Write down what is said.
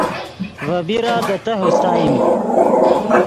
ڤے بیرا دے تہہ اوستائیم